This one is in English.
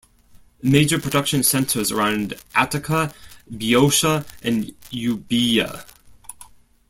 Major production centers around Attica, Boeotia and Euboea.